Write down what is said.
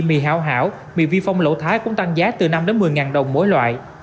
mì hảo hảo mì vi phong lỗ thái cũng tăng giá từ năm đến một mươi đồng mỗi loại